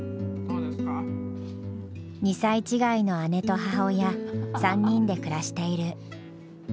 ２歳違いの姉と母親３人で暮らしている。